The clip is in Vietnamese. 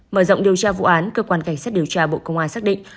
mở rộng điều tra vụ án cơ quan cảnh sát điều tra bộ công an xác định